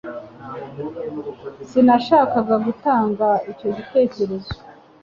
Sinashakaga gutanga icyo gitekerezo.